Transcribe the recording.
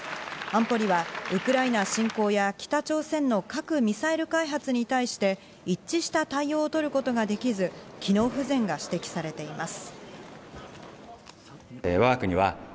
安保理はウクライナ侵攻や、北朝鮮の核・ミサイル開発に対して、一致した対応を取ることができず、機能不全が指摘されています。